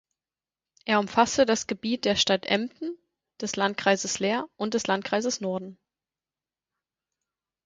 Er umfasste das Gebiet der Stadt Emden, des Landkreises Leer und des Landkreises Norden.